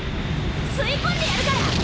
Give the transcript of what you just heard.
吸い込んでやるから！